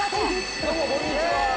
どうもこんにちは。